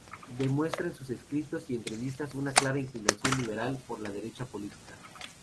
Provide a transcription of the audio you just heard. Demuestra en sus escritos y entrevistas una clara inclinación liberal por la Derecha política.